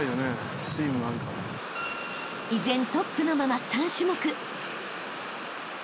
［依然トップのまま３種目］